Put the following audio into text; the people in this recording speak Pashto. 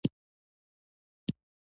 پورته مې وکتل.